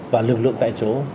và lực lượng tại chỗ